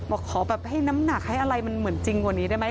บอกขอแบบให้น้ำหนักให้อะไรมันเหมือนจริงกว่านี้ได้ไหม